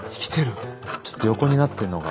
ちょっと横になってんのが。